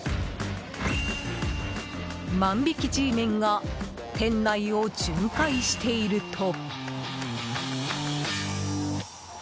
万引きＧメンが店内を巡回していると。